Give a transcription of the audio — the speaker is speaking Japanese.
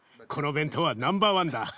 この弁当はナンバーワンだ。